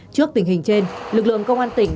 trước tình hình trên lực lượng công an tỉnh